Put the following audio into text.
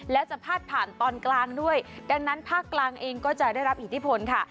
และจะพาดผ่านตอนกลางด้วยดังนั้นภาคกลางเองก็จะได้รับอิทธิพลค่ะ